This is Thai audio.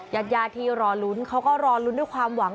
ญาติญาติที่รอลุ้นเขาก็รอลุ้นด้วยความหวัง